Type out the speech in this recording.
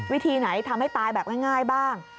วิธีไหนทำให้ตายแบบง่ายบ้าง